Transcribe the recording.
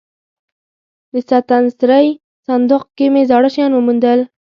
د ستنسرۍ صندوق کې مې زاړه شیان وموندل.